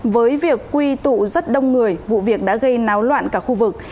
với việc quy tụ rất đông người vụ việc đã gây náo loạn cả khu vực